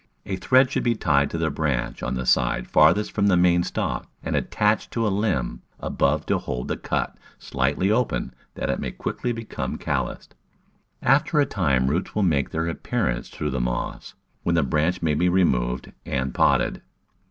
A thread should be tied to the branch on the side farthest from the main stalk and attached to a limb above to hold the cut slightly open that it may quickly be come calloused. After a time roots will make their appearance through the moss, when the branch may be removed and potted.